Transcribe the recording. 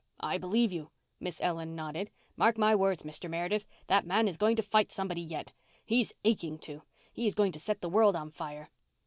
"I believe you!" Miss Ellen nodded. "Mark my words, Mr. Meredith, that man is going to fight somebody yet. He's aching to. He is going to set the world on fire."